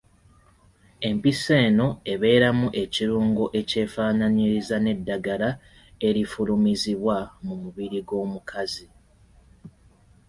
Empiso eno ebeeramu ekirungo ekyefaanaanyiriza n’eddagala erifulumizibwa mu mubiri gw’omukazi.